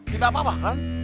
tidak apa apa kan